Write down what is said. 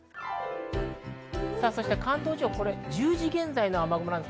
関東地方、１０時現在の雨雲です。